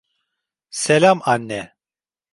Selam anne.